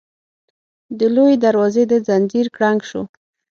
د لويي دروازې د ځنځير کړنګ شو.